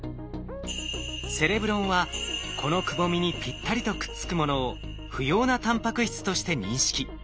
セレブロンはこのくぼみにぴったりとくっつくものを不要なタンパク質として認識。